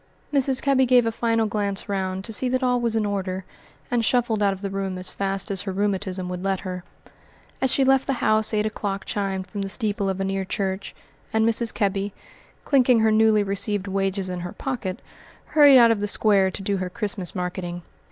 Mrs. Kebby gave a final glance round to see that all was in order, and shuffled out of the room as fast as her rheumatism would let her. As she left the house eight o'clock chimed from the steeple of a near church, and Mrs. Kebby, clinking her newly received wages in her pocket, hurried out of the square to do her Christmas marketing.